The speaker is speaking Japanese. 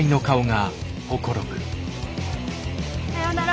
さようなら。